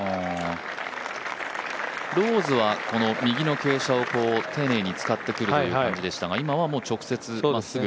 ローズはこの右の傾斜を丁寧に使ってくるという感じでしたが今は直接、まっすぐ。